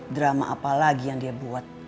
drama apalagi yang dia buat